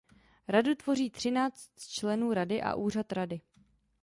Radu tvoří třináct členů Rady a Úřad Rady.